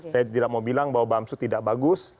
saya tidak mau bilang bahwa bamsu tidak bagus